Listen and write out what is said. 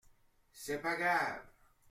C’est pas grave.